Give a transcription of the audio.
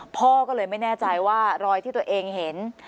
พ่อก็เลยไม่แน่ใจว่ารอยที่ตัวเองเห็น